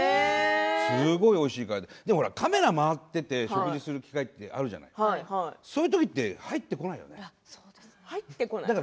すごくおいしくて、カメラが回っていて食事をする機会ってあるじゃない、そういうときって入ってこないから。